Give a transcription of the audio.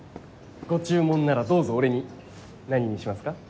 ご注文ならどうぞ俺に何にしますか？